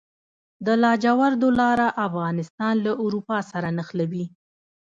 د لاجوردو لاره افغانستان له اروپا سره نښلوي